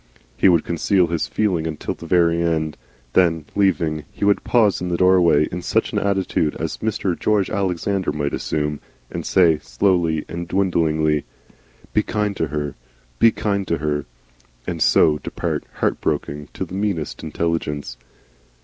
He would conceal his feeling until the very end. Then, leaving, he would pause in the doorway in such an attitude as Mr. George Alexander might assume, and say, slowly and dwindlingly: "Be kind to her BE kind to her," and so depart, heartbroken to the meanest intelligence.